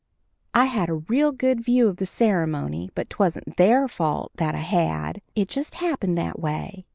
I had a real good view of the ceremony; but 'twasn't their fault that I had; it just happened that way.